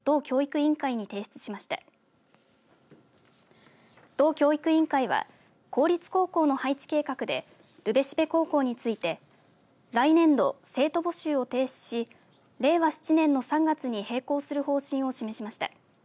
道教育委員会は公立高校の配置計画で留辺蘂高校について来年度、生徒募集を停止し令和７年の３月に閉校する方針を示しました。